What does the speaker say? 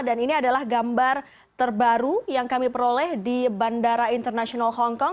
dan ini adalah gambar terbaru yang kami peroleh di bandara internasional hongkong